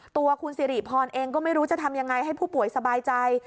ตัวคุณสิริพรเองก็ไม่รู้จะทำยังไงให้ผู้ป่วยสบายใจ